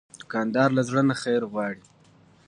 دوکاندار له زړه نه خیر غواړي.